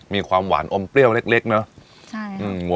มีความหวานอมเปรี้ยวเล็กเล็กเนอะใช่ค่ะอืม